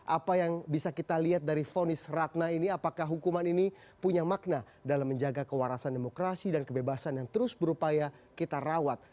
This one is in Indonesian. apa yang bisa kita lihat dari fonis ratna ini apakah hukuman ini punya makna dalam menjaga kewarasan demokrasi dan kebebasan yang terus berupaya kita rawat